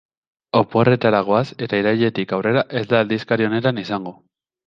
Oporretara goaz eta irailetik aurrera ez da aldizkari honetan izango.